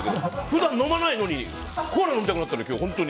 普段飲まないのにコーラ飲みたくなったのよ。